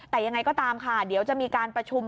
แต่ยังไงก็ตามค่ะเดี๋ยวจะมีการประชุม